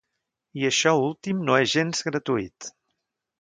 I això últim no és gens gratuït.